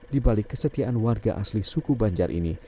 dibalik kesetiaan warga asli suku banjar ini